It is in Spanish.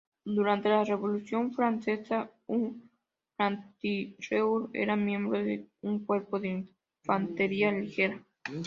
Durante la Revolución Francesa, un "franc-tireur" era miembro de un cuerpo de infantería ligera.